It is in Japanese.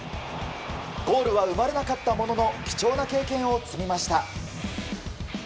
ゴールは生まれなかったものの貴重な経験を積みました。